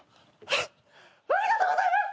ありがとうございます。